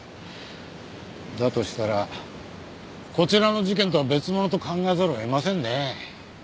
だとしたらこちらの事件とは別物と考えざるを得ませんね。